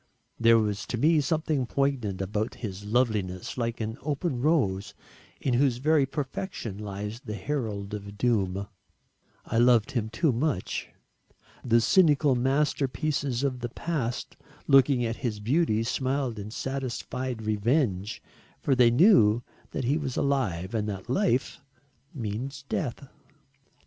There was to me something poignant about his loveliness like an open rose in whose very perfection lies the herald of doom. I loved him too much. The cynical masterpieces of the past looking at his beauty smiled in satisfied revenge for they knew that he was alive and that life means death.